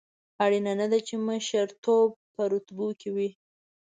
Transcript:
اړینه نه ده چې مشرتوب په رتبو کې وي.